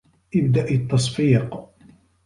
ابدأ التّصفيق.